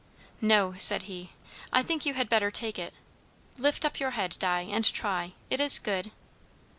"No," said he, "I think you had better take it. Lift up your head, Di, and try. It is good."